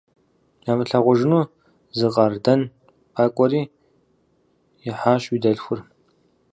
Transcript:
Ямылъагъужыну зы къардэн къакӀуэри, ихьащ уи дэлъхур.